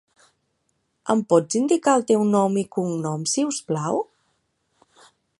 Em pots indicar el teu nom i cognoms, si us plau?